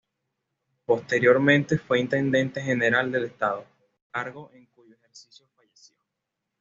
Posteriormente fue Intendente General del Estado, cargo en cuyo ejercicio falleció.